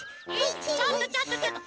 ちょっとちょっとちょっと！